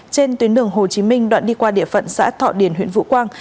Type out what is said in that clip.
trên tuyến đường hồ chí minh đoạn đi qua địa phận xã thọ điền huyện vũ quang